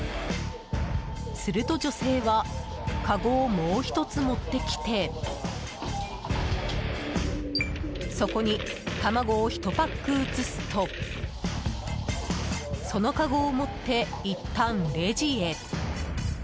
すると女性は、かごをもう１つ持ってきてそこに卵を１パック移すとそのかごを持っていったんレジへ。